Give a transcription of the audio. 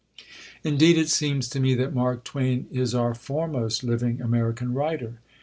Indeed, it seems to me that Mark Twain is our foremost living American writer.